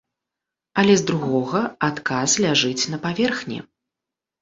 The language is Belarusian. Але з другога, адказ ляжыць на паверхні.